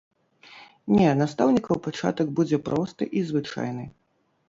Не, настаўнікаў пачатак будзе просты і звычайны.